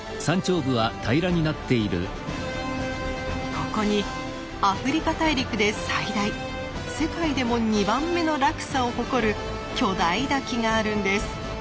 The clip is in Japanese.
ここにアフリカ大陸で最大世界でも２番目の落差を誇る巨大滝があるんです。